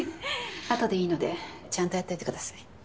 後でいいのでちゃんとやっといてください。